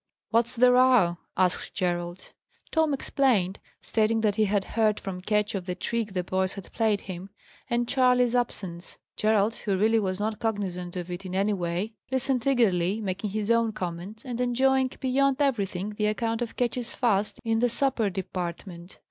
"What's the row?" asked Gerald. Tom explained, stating what he had heard from Ketch of the trick the boys had played him; and Charley's absence. Gerald, who really was not cognizant of it in any way, listened eagerly, making his own comments, and enjoying beyond everything the account of Ketch's fast in the supper department.